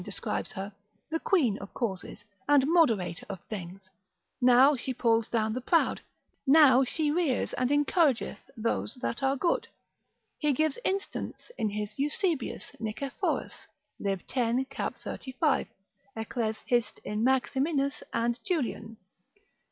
describes her, the queen of causes, and moderator of things, now she pulls down the proud, now she rears and encourageth those that are good; he gives instance in his Eusebius; Nicephorus, lib. 10. cap. 35. eccles. hist. in Maximinus and Julian.